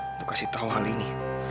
untuk kasih tahu hal ini